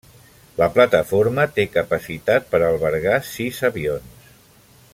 La plataforma té capacitat per albergar sis avions.